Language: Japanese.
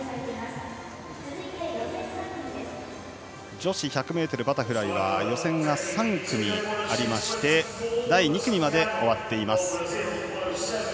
女子１００ｍバタフライは予選が３組ありまして第２組まで終わっています。